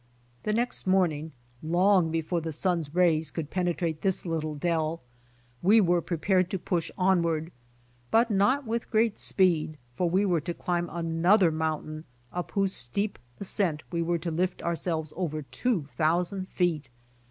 T'he next morning, long before the sun's rays could penetrate this little dell, we were prepared to push onward, but not with great speed, for we were to climb another mountain up whose steep ascent we were to lift ourselves over two thousand feet.